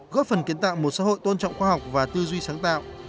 góp phần kiến tạo một xã hội tôn trọng khoa học và tư duy sáng tạo